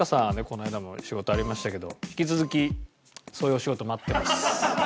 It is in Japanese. この間も仕事ありましたけど引き続きそういうお仕事待ってます。